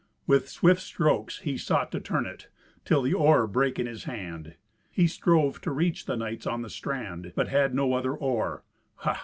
With swift strokes he sought to turn it, till the oar brake in his hand. He strove to reach the knights on the strand, but had no other oar. Ha!